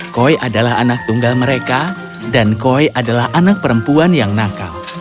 koi adalah anak tunggal mereka dan koi adalah anak perempuan yang nakal